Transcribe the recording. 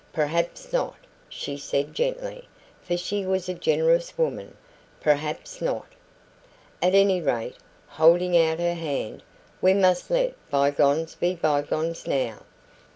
"Perhaps not," she said gently, for she was a generous woman "perhaps not. At any rate," holding out her hand, "we must let bygones be bygones now.